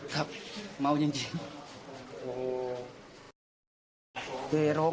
ครับเมาจริง